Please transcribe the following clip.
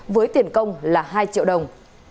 với tiền công là hai triệu đồng